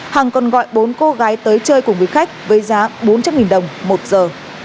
hằng còn gọi bốn cô gái tới chơi cùng với khách với giá bốn trăm linh đồng một giờ